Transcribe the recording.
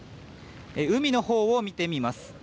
海のほうを見てみます。